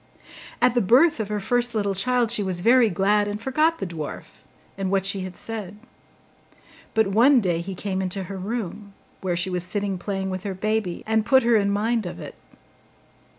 At the birth of her first little child she was very glad, and forgot the dwarf, and what she had said. But one day he came into her room, where she was sitting playing with her baby, and put her in mind of it.